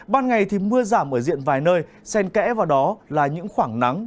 ban ngày thì mưa giảm ở diện vài nơi sen kẽ vào đó là những khoảng nắng